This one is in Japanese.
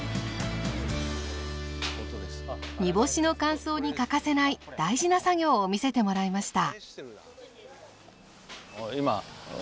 煮干しの乾燥に欠かせない大事な作業を見せてもらいました。